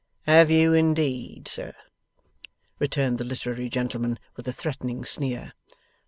'Have you indeed, sir?' returned the literary gentleman, with a threatening sneer.